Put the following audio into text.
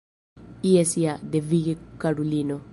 Jes ja, devige, karulino.